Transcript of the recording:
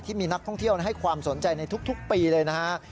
ที่มีนักท่องเที่ยวให้ความสนใจในทุกปีเลยนะฮะ